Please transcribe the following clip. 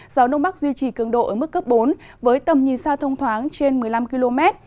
gió đông bắc duy trì cường độ ở mức cấp bốn với tầm nhìn xa thông thoáng trên một mươi năm km